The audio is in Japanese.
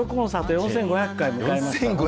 ４５００回を迎えました。